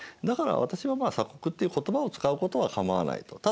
だから私はまあ「鎖国」っていう言葉を使うことはかまわないと。